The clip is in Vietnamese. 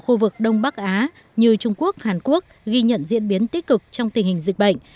hàn quốc hàn quốc ghi nhận diễn biến tích cực trong tình hình dịch bệnh